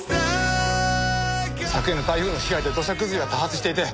「昨夜の台風の被害で土砂崩れが多発していて」